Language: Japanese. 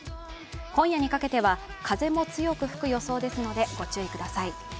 今夜にかけては風も強く吹く予想ですのでご注意ください。